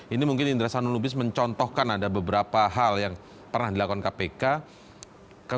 ini mungkin indra sanul lubis mencontohkan ada beberapa hal yang pernah dilakukan kpk